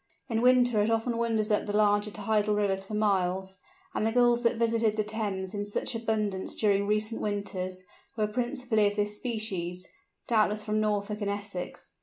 In winter it often wanders up the larger tidal rivers for miles; and the Gulls that visited the Thames in such abundance during recent winters, were principally of this species, doubtless from Norfolk and Essex.